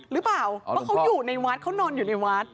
หรือเปล่าว่าเขาอยู่ในวัดเขานอนอยู่ในวัด